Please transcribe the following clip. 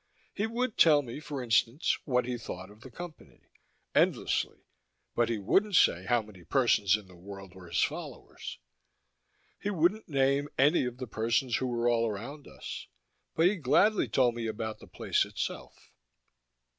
He would tell me, for instance, what he thought of the Company endlessly. But he wouldn't say how many persons in the world were his followers. He wouldn't name any of the persons who were all around us. But he gladly told me about the place itself.